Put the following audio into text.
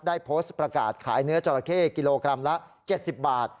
ได้โพสต์ประกาศขายเนื้อจราเข้กิโลกรัมละ๗๐บาท